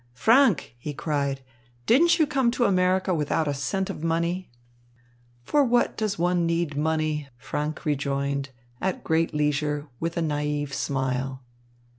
Franck," he cried, "didn't you come to America without a cent of money?" "For what does one need money?" Franck rejoined, at great leisure, with a naïve smile.